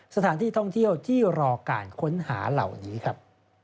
สถานที่ท่องเที่ยวที่รอการค้นหาเหล่านี้ครับ